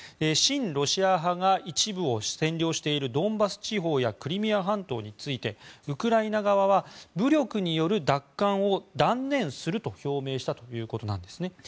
親ロシア派が一部を占領しているドンバス地方やクリミア半島についてウクライナ側は武力による奪還を断念すると表明したということです。